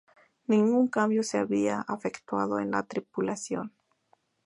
Ningún cambio se había efectuado en la tripulación.